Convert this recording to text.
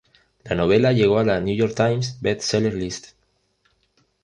La novela llegó a la "New York Times" Best Seller list.